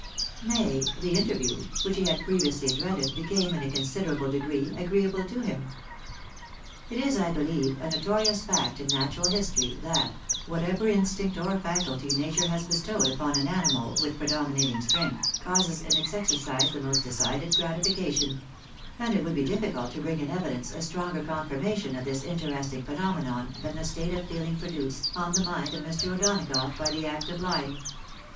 Nay, the interview, which he had previously dreaded, became, in a considerable degree, agreeable to him. It is, I beheve, a notorious fact in natural history, that, what ever instinct or faculty natiu e has bestowed upon an animal with predominating strength, causes in its exercise the most decided gratification; and it would be difQcult to bring in evidence a stronger confirmation of this interesting phenomenon, than the state of feeling produced on the mind of Mr. O'Donagough by the act of lying.